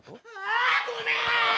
ああごめーん！